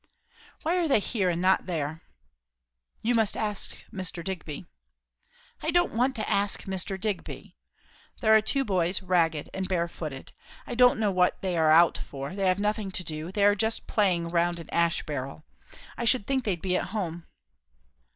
"Why are they here, and not there?" "You must ask Mr. Digby." "I don't want to ask Mr. Digby! There are two boys; ragged; and barefooted. I don't know what they are out for; they have nothing to do; they are just playing round an ash barrel. I should think they'd be at home."